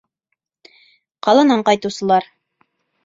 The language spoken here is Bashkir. Ҡаланан ҡайтыусылыр.